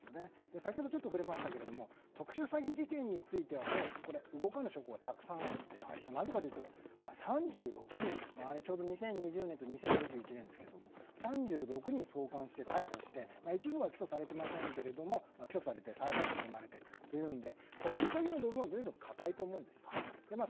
先ほどちょっと触れましたが特殊詐欺事件についてはもう動かぬ証拠がたくさんあってなぜかというと３６人、ちょうど２０２０年と２０２１年ですが３６人送還して逮捕して、一部は起訴されて裁判が行われてということで特殊詐欺の部分は固いと思うんですね。